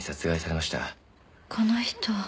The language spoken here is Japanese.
この人。